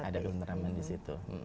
iya ada keteneraman di situ